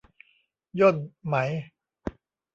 ย่นไหม